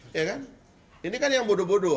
ya kan ini kan yang bodoh bodoh